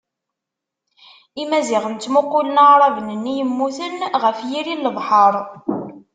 Imaziɣen ttmuqulen Aɛraben-nni yemmuten, ɣef yiri n lebḥeṛ.